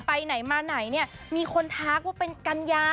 ไปไหนมาไหนเนี่ยมีคนทักว่าเป็นกัญญา